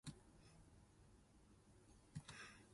三日風無一滴露